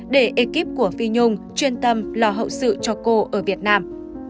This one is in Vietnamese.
để ekip của phi nhung chuyên tâm lo hậu sự cho cô ở việt nam